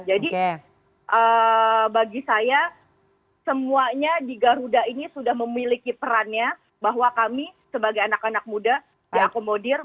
jadi bagi saya semuanya di garuda ini sudah memiliki perannya bahwa kami sebagai anak anak muda diakomodir